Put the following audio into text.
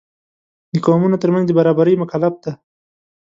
د قومونو تر منځ د برابرۍ مکلف دی.